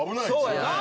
そうやな。